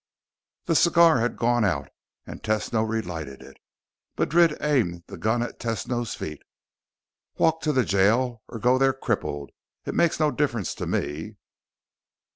The cigar had gone out, and Tesno relighted it. Madrid aimed the gun at Tesno's feet. "Walk to jail or go there crippled. It makes no difference to me."